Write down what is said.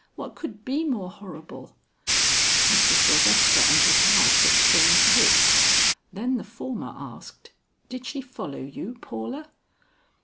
what could be more horrible!" Mr. Sylvester and his wife exchanged looks, then the former asked, "Did she follow you, Paula?"